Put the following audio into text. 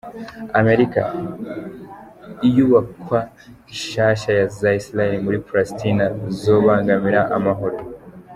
Amerika: Inyubakwa nshasha za Israel muri Palestine zobangamira amahoro.